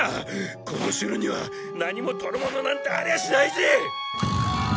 この城には何も取るものなんてありゃしないぜ！